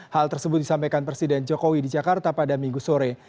hal tersebut disampaikan presiden jokowi di jakarta pada minggu sore